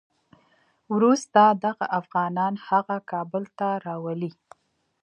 وروسته دغه افغانان هغه کابل ته راولي.